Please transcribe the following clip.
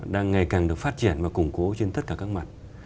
đang ngày càng được phát triển và củng cố trên tất cả các mặt